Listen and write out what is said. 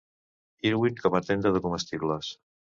Irwin com a tenda de comestibles.